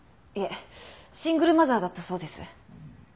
シングルマザーだったそうです。